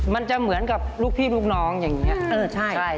มันจะเหมือนกับลูกพี่ลูกน้องอย่างนี้